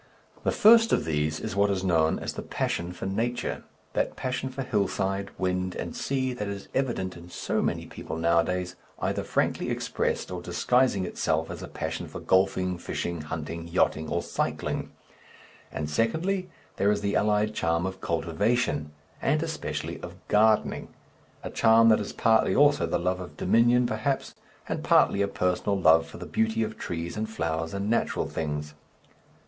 The first of these is what is known as the passion for nature, that passion for hillside, wind, and sea that is evident in so many people nowadays, either frankly expressed or disguising itself as a passion for golfing, fishing, hunting, yachting, or cycling; and, secondly, there is the allied charm of cultivation, and especially of gardening, a charm that is partly also the love of dominion, perhaps, and partly a personal love for the beauty of trees and flowers and natural things.